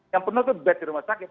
yang penuh itu bed di rumah sakit